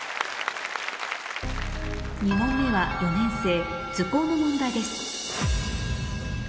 ２問目は４年生図工の問題です